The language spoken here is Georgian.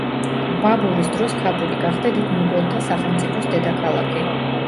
ბაბურის დროს ქაბული გახდა დიდ მოგოლთა სახელმწიფოს დედაქალაქი.